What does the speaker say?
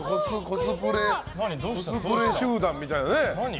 コスプレ集団みたいなね。